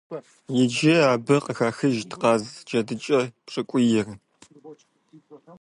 Иджы абы къыхэхыжыт къаз джэдыкӀэ пщыкӀуийр.